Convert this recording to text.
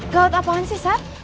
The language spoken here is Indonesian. gawat apaan sih sar